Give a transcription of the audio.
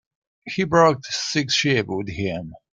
He brought six sheep with him.